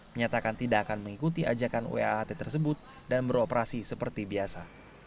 menyatakan tidak akan mengikuti ajakan waat tersebut dan beroperasi seperti biasa